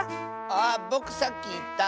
あっぼくさっきいった。